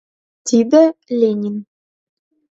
Тиде — Ленин.